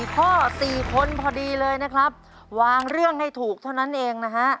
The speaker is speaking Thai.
ข้อ๔คนพอดีเลยนะครับวางเรื่องให้ถูกเท่านั้นเองนะฮะ